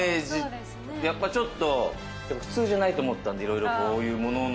ちょっと普通じゃないと思ったんで、こういうものの。